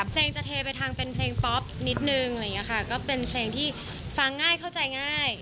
เพลงจะทีมไปทางเป็นเพลงป๊อกนิดนึงเป็นเพลงที่ฟังง่ายเข้าใจง่าย